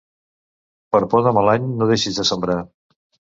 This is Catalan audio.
Per por de mal any no deixis de sembrar.